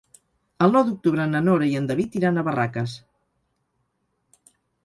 El nou d'octubre na Nora i en David iran a Barraques.